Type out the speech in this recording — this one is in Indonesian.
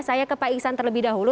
saya ke pak iksan terlebih dahulu